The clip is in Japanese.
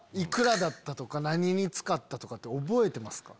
幾らだったとか何に使ったとか覚えてますか？